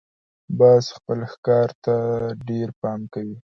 باز خپل ښکار ته ډېر پام کوي